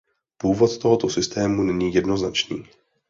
Původ tohoto systému není jednoznačný.